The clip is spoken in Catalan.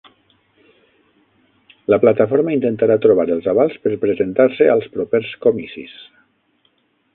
La plataforma intentarà trobar els avals per presentar-se als propers comicis